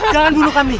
jangan bunuh kami